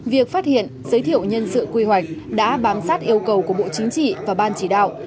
việc phát hiện giới thiệu nhân sự quy hoạch đã bám sát yêu cầu của bộ chính trị và ban chỉ đạo